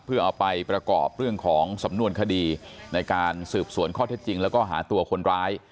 เพื่อเอาไปประกอบเรื่องของสำนวนคดีในการสืบสวนข้อเท็จจริงแล้วก็หาตัวคนร้าย